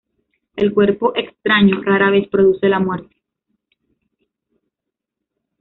El cuerpo extraño rara vez produce la muerte.